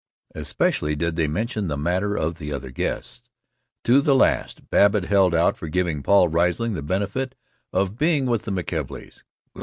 Especially did they mention the matter of the other guests. To the last Babbitt held out for giving Paul Riesling the benefit of being with the McKelveys.